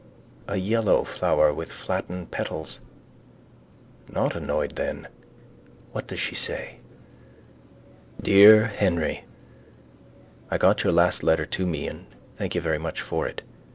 A yellow flower with flattened petals. Not annoyed then? What does she say? Dear Henry I got your last letter to me and thank you very much for it.